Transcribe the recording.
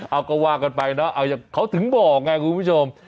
เอาก็ว่ากันไปเนอะเอาอย่างเขาถึงบอกไงคุณผู้ชม